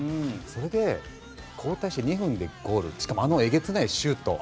それで交代して２分でゴールしかもあのえげつないシュート。